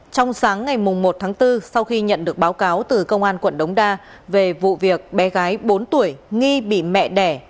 trong sáng ngày một tháng bốn sau khi nhận được báo cáo từ công an quận đống đa về vụ việc bé gái bốn tuổi nghi bị mẹ đẻ